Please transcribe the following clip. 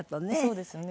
そうですね。